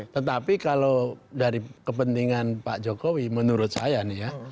tetapi kalau dari kepentingan pak jokowi menurut saya nih ya